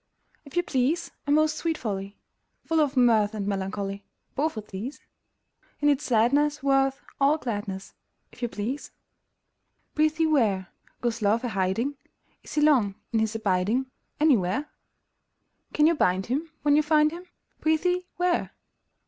If you please, A most sweet folly! Full of mirth and melancholy: Both of these! In its sadness worth all gladness, If you please! Prithee where, Goes Love a hiding? Is he long in his abiding Anywhere? Can you bind him when you find him; Prithee, where?